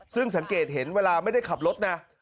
ซึ่งสังเกตเห็นเวลาไม่ได้ขับรถนะ